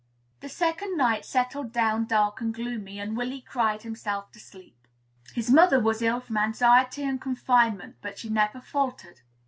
The second night settled down dark and gloomy, and Willy cried himself to sleep. His mother was ill from anxiety and confinement; but she never faltered.